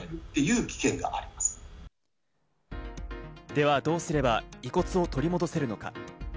ではどうすれば遺骨を取り戻せるのか？